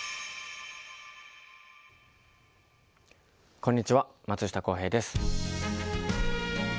こんにちは、松下洸平です。